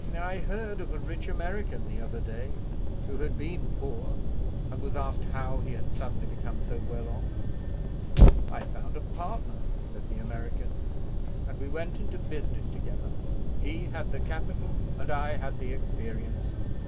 "I heard of a rich American the other day who had been poor, and was asked how he had suddenly become so well off. 'I found a partner,' said the American, 'and we went into business together. He had the capital and I had the experience.